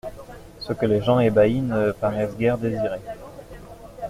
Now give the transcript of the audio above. Ce que les gens ébahis ne paraissaient guère désirer.